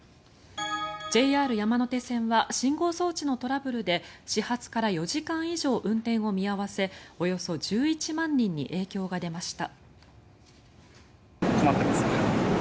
ＪＲ山手線は信号装置のトラブルで始発から４時間以上運転を見合わせおよそ１１万人に影響が出ました。